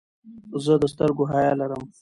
زه د سترګو حیا لرم.